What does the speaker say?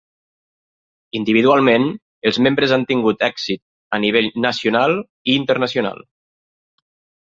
Individualment, els membres han tingut èxit a nivell nacional i internacional.